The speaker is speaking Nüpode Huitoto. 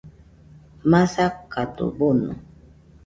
Masakado bono